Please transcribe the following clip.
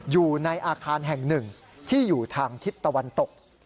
อยู่ในอาคารแห่งหนึ่งที่อยู่ทางทิศตะวันตก